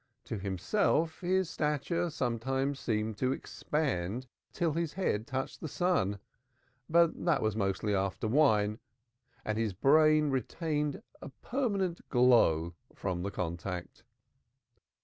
To himself his stature sometimes seemed to expand till his head touched the sun but that was mostly after wine and his brain retained a permanent glow from the contact.